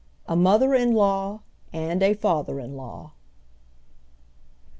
A MOTHER IN LAW AND A FATHER IN LAW.